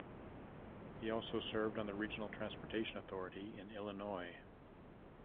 He also served on the Regional Transportation Authority in Illinois.